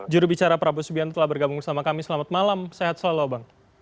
jurubicara prabowo subianto telah bergabung bersama kami selamat malam sehat selalu bang